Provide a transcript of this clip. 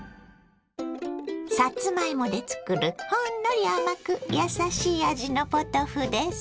さつまいもで作るほんのり甘くやさしい味のポトフです。